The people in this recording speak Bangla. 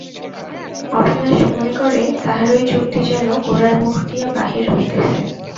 অবিনাশ মনে করে তাহারই যুক্তি যেন গোরার মুখ দিয়া বাহির হইতেছে।